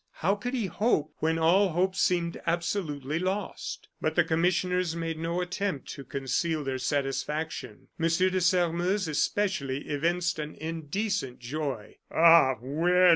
How could he hope when all hope seemed absolutely lost? But the commissioners made no attempt to conceal their satisfaction. M. de Sairmeuse, especially, evinced an indecent joy. "Ah, well!